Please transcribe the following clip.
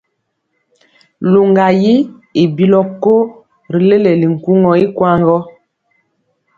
Luŋga yi i bilɔ ko ri leleli nkuŋɔ ikwaŋ gɔ.